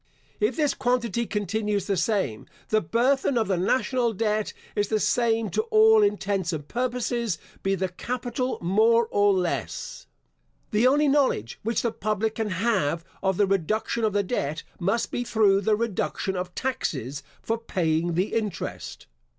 If this quantity continues the same, the burthen of the national debt is the same to all intents and purposes, be the capital more or less. The only knowledge which the public can have of the reduction of the debt, must be through the reduction of taxes for paying the interest.